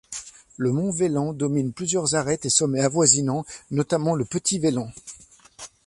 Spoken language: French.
Le mont Vélan domine plusieurs arêtes et sommets avoisinants, notamment le Petit Vélan.